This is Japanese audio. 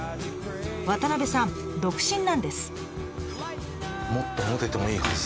渡部さん独身なんです。